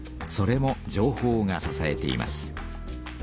それも情報がささえています。